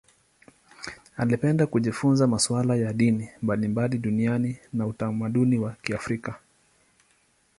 Alipenda kujifunza masuala ya dini mbalimbali duniani na utamaduni wa Kiafrika.